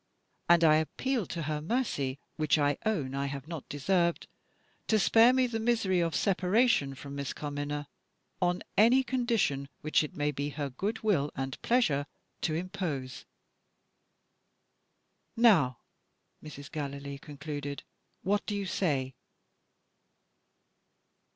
And I appeal to her mercy (which I own I have not deserved) to spare me the misery of separation from Miss Carmina, on any conditions which it may be her good will and pleasure to impose." "Now," Mrs. Galilee concluded, "what do you say?"